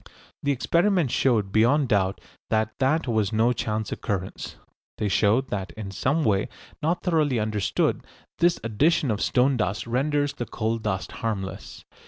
The experiments showed beyond doubt that that was no chance occurrence. They showed that in some way not thoroughly understood this addition of stone dust renders the coal dust harmless.